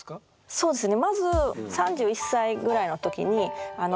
そうですね。